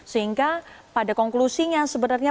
sehingga pada konklusinya